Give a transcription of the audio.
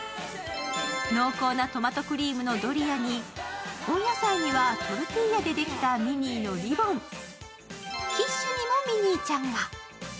濃厚なトマトクリームのドリアに温野菜にはトルティーヤでできたミニーのリボン、キッシュにもミニーちゃんが。